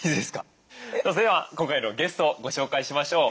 それでは今回のゲストをご紹介しましょう。